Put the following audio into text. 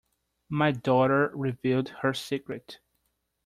My daughter revealed her secret.